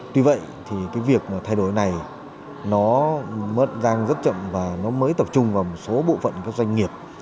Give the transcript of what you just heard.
tuy vậy thì cái việc thay đổi này nó mất gian rất chậm và nó mới tập trung vào một số bộ phận doanh nghiệp